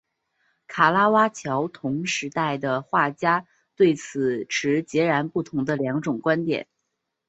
卡拉瓦乔同时代的画家对此持截然不同的两种观点。